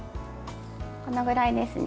このぐらいですね。